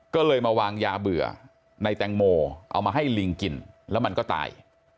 ก็เลยมาวางยาเบื่อในแตงโมเอามาให้ลิงกินแล้วมันก็ตาย